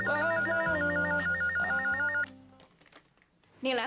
aku harus kuat demi final